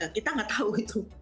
kita nggak tahu itu